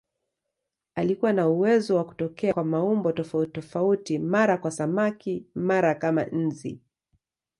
Alikuwa na uwezo wa kutokea kwa maumbo tofautitofauti, mara kama samaki, mara kama nzi.